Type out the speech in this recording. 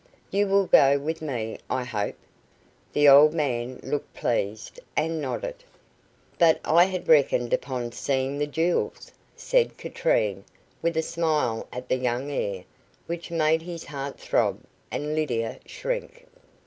"You will go with me, I hope." The old man looked pleased, and nodded. "But I had reckoned upon seeing the jewels," said Katrine, with a smile at the young heir, which made his heart throb, and Lydia shrink.